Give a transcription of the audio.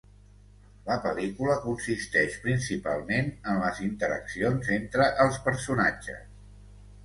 La pel·lícula consisteix principalment en les interaccions entre els personatges.